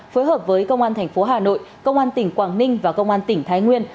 phối hợp với công an thành phố hà nội công an tỉnh quảng ninh và công an tỉnh thái nguyên